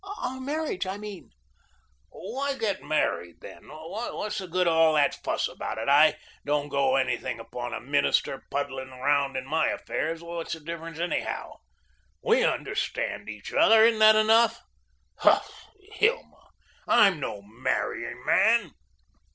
"Our marriage, I mean." "Why get married, then? What's the good of all that fuss about it? I don't go anything upon a minister puddling round in my affairs. What's the difference, anyhow? We understand each other. Isn't that enough? Pshaw, Hilma, I'M no marrying man."